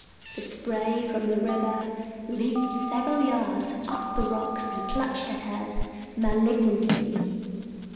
The spray from the river leaped several yards up the rocks and clutched at us malignantly.